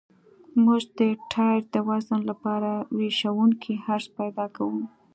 موږ د ټایر د وزن لپاره ویشونکی عرض پیدا کوو